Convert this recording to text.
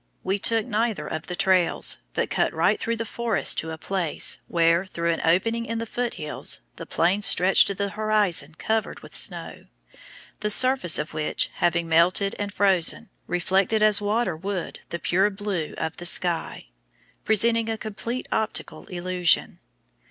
We took neither of the trails, but cut right through the forest to a place where, through an opening in the Foot Hills, the Plains stretched to the horizon covered with snow, the surface of which, having melted and frozen, reflected as water would the pure blue of the sky, presenting a complete optical illusion.